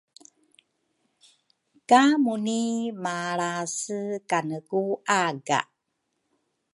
ka Muni malrase kane ku aga.